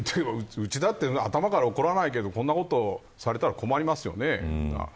うちだって頭から怒らないけどこんなことされたら困りますよね。